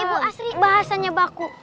ibu asri bahasanya baku